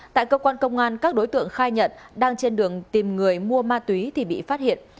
tại cơ quan công an các đối tượng khai nhận đang trên đường tìm người mua ma túy thì bị phát hiện